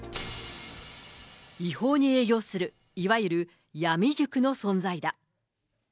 違法に営業する、いわゆる闇塾の存在だ。